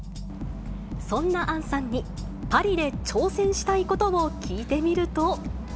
そんな杏さんに、パリで挑戦したいことを聞いてみると。